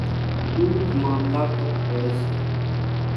ۮوڌ مان طاقت هوئيَ سي۔